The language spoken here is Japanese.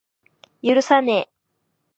許さねぇ。